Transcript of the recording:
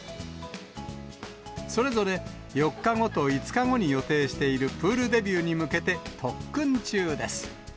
それぞれ４日後と５日後に予定しているプールデビューに向けて特訓中です。